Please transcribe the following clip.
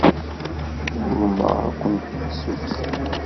Urmeɣ ad kent-id-ssukkseɣ.